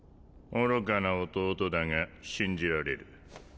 愚かな弟だが信じられる。